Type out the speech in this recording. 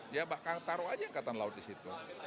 dia bakal taruh aja angkatan laut di situ